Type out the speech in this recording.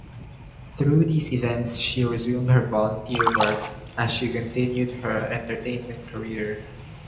Through these events, she resumed her volunteer work as she continued her entertainment career.